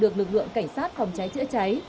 được lực lượng cảnh sát phòng cháy chữa cháy